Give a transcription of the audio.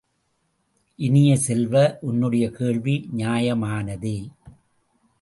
இனிய செல்வ, உன்னுடைய கேள்வி நியாயமானதே!